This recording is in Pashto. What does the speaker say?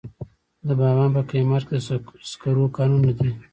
د بامیان په کهمرد کې د سکرو کانونه دي.